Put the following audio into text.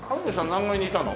何階にいたの？